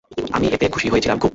আমি এতে খুশি হয়েছিলাম খুব।